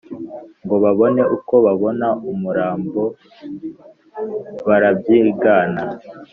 ngo babone uko babona umurambo barabyigana .